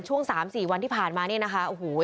ช่วง๓๔วันที่ผ่านมาเนี่ยนะคะโอ้โห